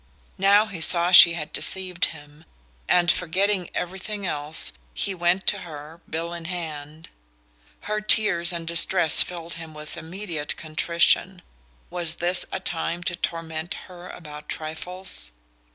Now he saw she had deceived him, and, forgetting everything else, he went to her, bill in hand. Her tears and distress filled him with immediate contrition. Was this a time to torment her about trifles?